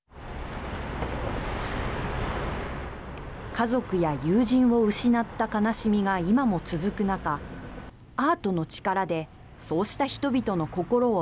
家族や友人を失った悲しみが今も続く中アートの力でそうした人々の心を